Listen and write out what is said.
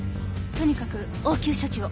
とにかく応急処置を。